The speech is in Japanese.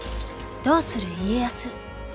「どうする家康」。